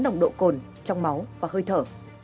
nồng độ cồn trong máu và hơi thở